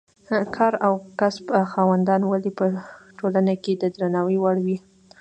د کار او کسب خاوندان ولې په ټولنه کې د درناوي وړ وي.